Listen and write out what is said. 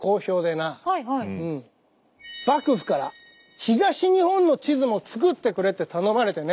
幕府から東日本の地図も作ってくれって頼まれてね。